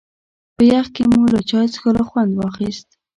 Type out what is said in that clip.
په يخ کې مو له چای څښلو خوند واخيست.